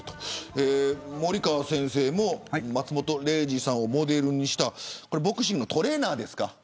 森川先生も松本零士さんをモデルにしたボクシングのトレーナーですか。